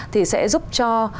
thì sẽ giúp cho